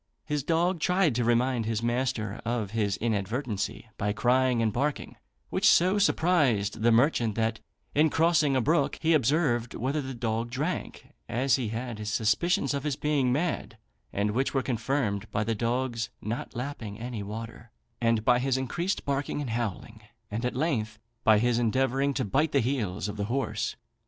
His dog tried to remind his master of his inadvertency by crying and barking, which so surprised the merchant, that, in crossing a brook, he observed whether the dog drank, as he had his suspicions of his being mad; and which were confirmed by the dog's not lapping any water, and by his increased barking and howling, and at length by his endeavouring to bite the heels of the horse.